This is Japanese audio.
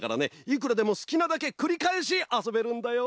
いくらでもすきなだけくりかえしあそべるんだよ！